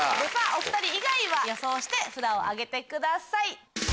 お２人以外は予想して札を挙げてください。